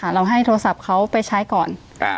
เราให้โทรศัพท์เขาไปใช้ก่อน